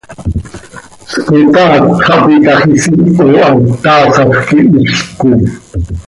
Spotaat xah pi ta x, isiiho aha, taasaj quihizlc coi.